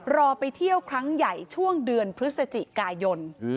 รอไปเที่ยวครั้งใหญ่ช่วงเดือนพฤศจิกายน